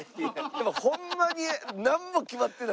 でもホンマになんも決まってないんでしょ？